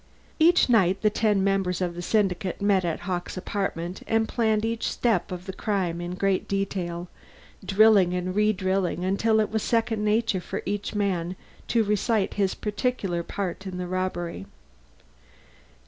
Each night the ten members of the Syndicate met at Hawkes' apartment and planned each step of the crime in great detail, drilling and re drilling until it was second nature for each man to recite his particular part in the robbery.